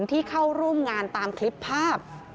ที่เข้าร่วมงานตามคลิปภาพ